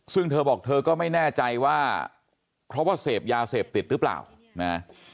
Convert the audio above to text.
ซึ่งเธอบอกเธอก็ไม่แน่ใจว่าเพราะว่าเสพยาเสพติดหรือเปล่านะ